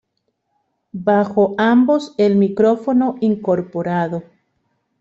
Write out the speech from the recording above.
Bajo ambos el micrófono incorporado.